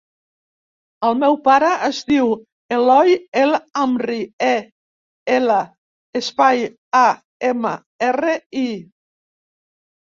El meu pare es diu Eloi El Amri: e, ela, espai, a, ema, erra, i.